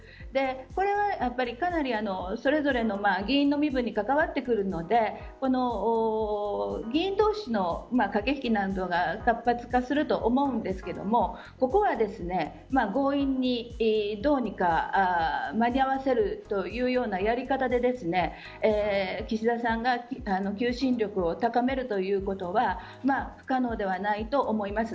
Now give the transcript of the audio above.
これは、かなりそれぞれの議員の身分に関わってくるので議員同士の駆け引きなんぞが活発化すると思うんですけれどもここは強引にどうにか間に合わせるというようなやり方で岸田さんが求心力を高めるということは不可能ではないと思います。